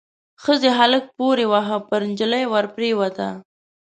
ښځې هلک پوري واهه، پر نجلۍ ور پريوته.